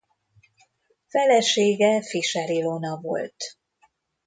Felesége Fischer Ilona volt.